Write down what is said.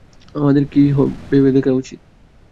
আমাদের কী ভেবে দেখা উচিত?